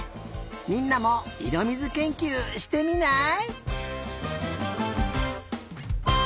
みんなもいろみずけんきゅうしてみない！？